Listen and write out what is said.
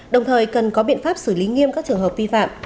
đồng thời cần có biện pháp xử lý nghiêm các trường hợp vi phạm